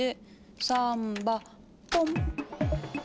サンバポン！